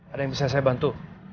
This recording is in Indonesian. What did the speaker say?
ada yang bisa saya bantu